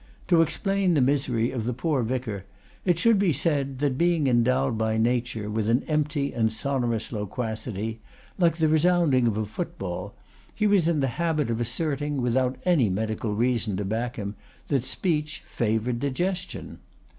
To explain the misery of the poor vicar it should be said that being endowed by nature with an empty and sonorous loquacity, like the resounding of a football, he was in the habit of asserting, without any medical reason to back him, that speech favored digestion.